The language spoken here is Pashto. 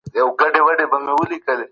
د جرګې د کمېټو مشران څوک دي؟